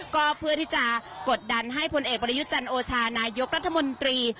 ก็เพื่อที่จะกดดันให้พลเอกประยุทธ์จันโอชานายกรัฐมนตรี